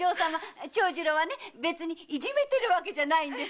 長次郎はいじめてるわけじゃないんです。